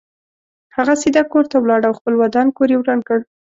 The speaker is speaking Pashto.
هغه سیده کور ته ولاړ او خپل ودان کور یې وران کړ.